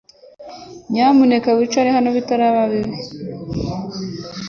Nyamuneka wicare hano bitaraba bibi